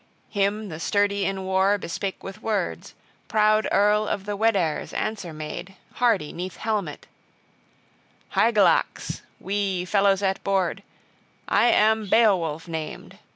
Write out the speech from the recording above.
Him the sturdy in war bespake with words, proud earl of the Weders answer made, hardy 'neath helmet: "Hygelac's, we, fellows at board; I am Beowulf named.